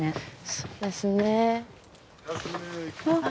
そうですね。